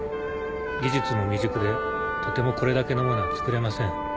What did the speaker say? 技術も未熟でとてもこれだけのものはつくれません。